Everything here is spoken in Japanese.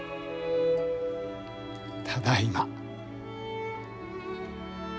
ただいま。